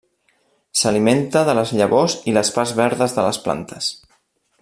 S'alimenta de les llavors i les parts verdes de les plantes.